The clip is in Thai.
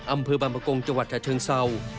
อำเภอบางประกงจังหวัดฉะเชิงเศร้า